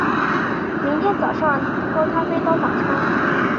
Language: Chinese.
明天早上喝咖啡当早餐